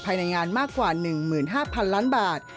ภายในงานมากกว่า๑๕๐๐๐ล้านบาท